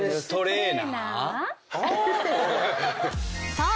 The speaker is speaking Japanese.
［そう。